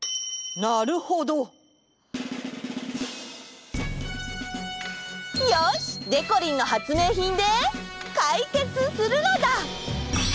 なるほど！よし！でこりんの発明品でかいけつするのだ！